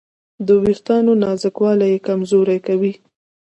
د وېښتیانو نازکوالی یې کمزوري کوي.